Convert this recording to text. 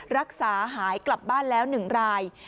รักษาหายกลับบ้านแล้ว๑ราย